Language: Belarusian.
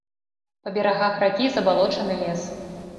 Па берагах ракі забалочаны лес.